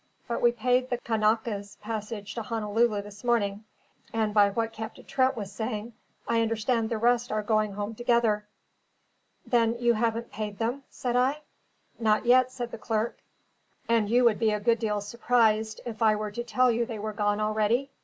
But we paid the Kanaka's passage to Honolulu this morning; and by what Captain Trent was saying, I understand the rest are going home together." "Then you haven't paid them?" said I. "Not yet," said the clerk. "And you would be a good deal surprised, if I were to tell you they were gone already?"